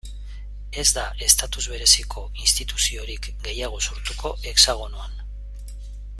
Ez da estatus bereziko instituziorik gehiago sortuko Hexagonoan.